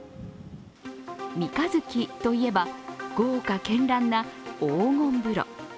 三日月といえば、豪華絢爛な黄金風呂。